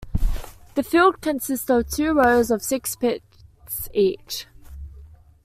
The field consists of two rows of six pits each.